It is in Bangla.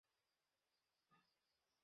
এক্ষুণি এসে পড়ো এখানে।